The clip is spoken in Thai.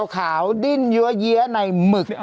เส้นขาวดินเหยือเหยือในหมึก